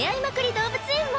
動物園も